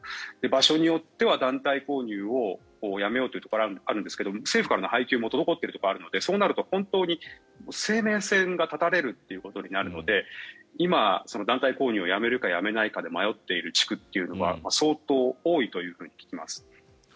場所によっては団体購入をやめようというところがあるんですが政府からの配給も滞っているところがあるのでそうなると本当に生命線が断たれることになるので今、団体購入をやめるかやめないかで迷っている地区は相当多いというふうに聞きます。